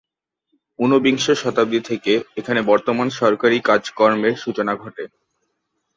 ঊনবিংশ শতাব্দী থেকে এখানে বর্তমান সরকারি কাজকর্মের সূচনা ঘটে।